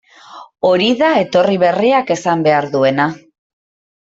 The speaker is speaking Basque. Hori da etorri berriak esan behar duena.